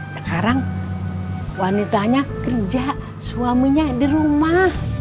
sekarang wanitanya kerja suaminya di rumah